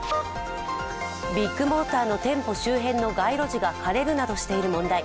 ビッグモーターの店舗周辺の街路樹が枯れるなどしている問題。